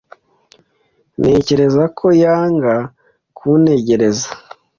Ntekereza ko yanga kuntegereza.